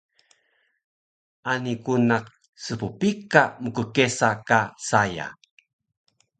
Ani ku naq sppika mkkesa ka saya